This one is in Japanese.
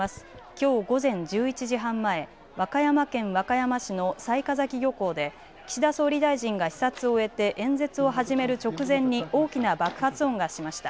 きょう午前１１時半前、和歌山県和歌山市の雑賀崎漁港で岸田総理大臣が視察を終えて演説を始める直前に大きな爆発音がしました。